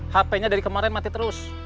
hpnya dari kemarin mati terus